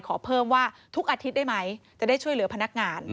ขอเพิ่มว่าทุกอาทิตย์ได้ไหมจะได้ช่วยเหลือพนักงาน